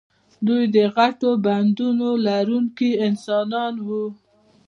دوی د غټو بدنونو لرونکي انسانان وو.